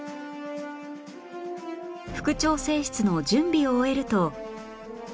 副調整室の準備を終えると